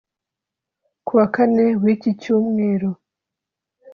kuwa Kane w’iki cyumweru